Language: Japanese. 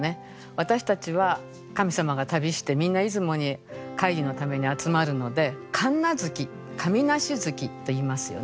私たちは神様が旅してみんな出雲に会議のために集まるので「神無月」「神無し月」と言いますよね。